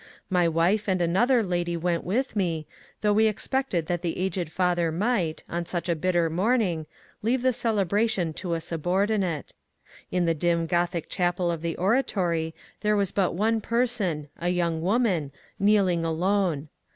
My wife and another lady went with me, though we expected that the aged Father might, on such a bitter morning, leave the cele bration to a subordinate. In the dim Grothic chapel of the oratory there was but one person, a young woman, kneeling alone.